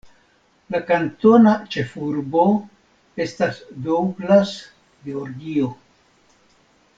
La kantona ĉefurbo estas Douglas, Georgio.